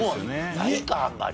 ないかあんまり。